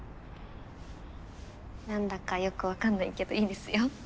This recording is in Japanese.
何だかよく分かんないけどいいですよ。